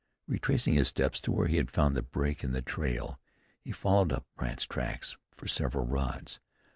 Retracing his steps to where he had found the break in the trail, he followed up Brandt's tracks for several rods.